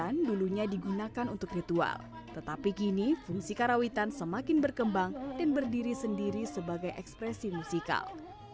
yang dulunya digunakan untuk ritual tetapi kini fungsi karawitan semakin berkembang dan berdiri sendiri sebagai ekspresi musikal